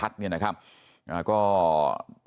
แล้วผมเป็นเพื่อนกับพระนกแต่ผมก็ไม่เคยช่วยเหลือเสียแป้ง